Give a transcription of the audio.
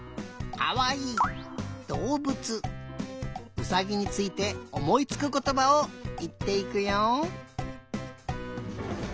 うさぎについておもいつくことばをいっていくよ。